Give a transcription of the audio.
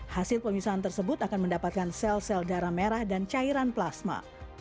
hasil pemisahan tersebut akan mendapatkan penggunaan tersebut yang berpengaruh untuk mencari alternatif pengobatan tersebut